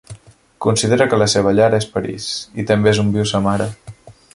Considera que la seva llar és París, i també és on viu sa mare.